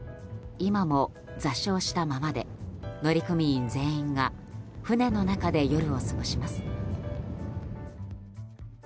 今も座礁したままで乗組員全員が船の中で夜を過ごします。